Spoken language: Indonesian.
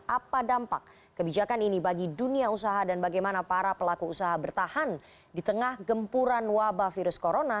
apa dampak kebijakan ini bagi dunia usaha dan bagaimana para pelaku usaha bertahan di tengah gempuran wabah virus corona